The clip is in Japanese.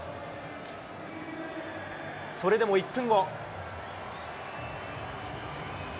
それでも１分後。